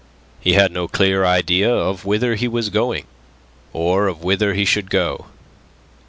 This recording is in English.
He had no clear idea of whither he was going, or of whither he should go.